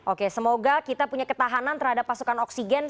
oke semoga kita punya ketahanan terhadap pasokan oksigen